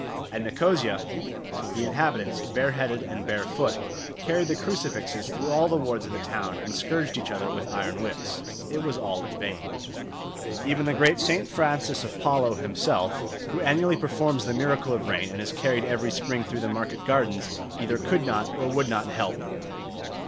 At Nicosia the inhabitants, bare headed and bare foot, carried the crucifixes through all the wards of the town and scourged each other with iron whips. It was all in vain. Even the great St. Francis of Paolo himself, who annually performs the miracle of rain and is carried every spring through the market gardens, either could not or would not help.